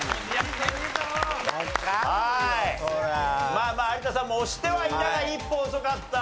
まあまあ有田さんも押してはいたが一歩遅かった。